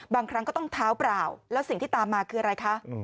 บางครั้งก็ต้องเท้าเปล่าแล้วสิ่งที่ตามมาคืออะไรคะ